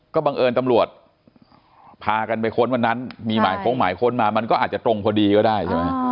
ก็บังเอิญตำรวจพากันไปค้นวันนั้นมีหมายค้นหมายค้นมามันก็อาจจะตรงพอดีก็ได้ใช่ไหม